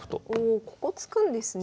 おここ突くんですね。